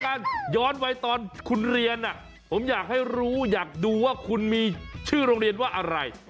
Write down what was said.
กันย้อนไว้ตอนคุณเรียนผมอยากให้รู้อยากดูว่าคุณมีชื่อโรงเรียนว่าอะไร